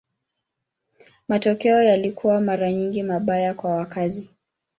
Matokeo yalikuwa mara nyingi mabaya kwa wakazi.